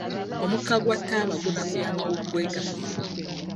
Omukka gwa taaba kunafuya amawuggwe gaffe.